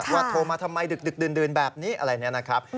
ว่าโทรมาทำไมดึกดื่นแบบนี้อะไรนะครับ